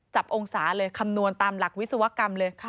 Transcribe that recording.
มองศาเลยคำนวณตามหลักวิศวกรรมเลย